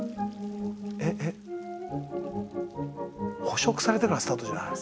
捕食されてからのスタートじゃない。